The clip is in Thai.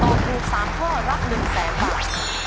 ตอบถูก๓ข้อรับ๑๐๐๐๐๐๐บาท